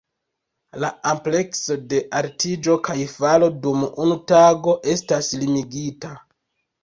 La amplekso de altiĝo kaj falo dum unu tago estas limigita.